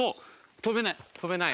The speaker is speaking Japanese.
跳べない跳べない。